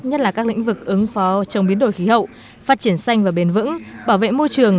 nhất là các lĩnh vực ứng phó trong biến đổi khí hậu phát triển xanh và bền vững bảo vệ môi trường